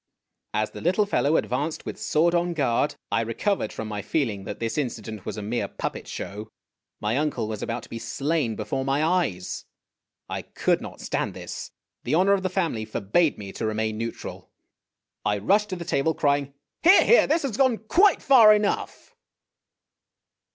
As the little fellow advanced with sworcl on guard, I recovered from my feeling that this incident was a mere puppet show. My uncle was about to be slain before my eyes. I could not stand this. The honor of the family forbade me to remain neutral. I rushed to the table, crying, " Here ! here ! this has gone quite far enough